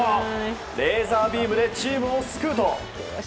レーザービームでチームを救うと。